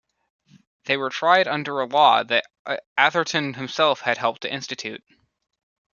They were tried under a law that Atherton himself had helped to institute.